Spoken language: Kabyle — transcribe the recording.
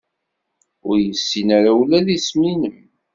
Ur yessin ara ula d isem-nnem.